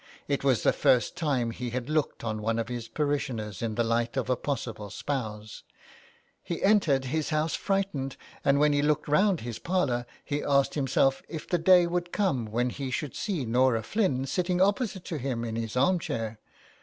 It was the first time he had looked on one of his parishioners in the light of a possible spouse ; he entered his house frightened, and when he looked round his par lour he asked himself if the day would come when he should see Norah Flynn sitting opposite to him in his arm chair.